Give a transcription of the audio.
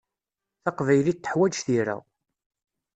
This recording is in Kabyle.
Taqbaylit tuḥwaǧ tira.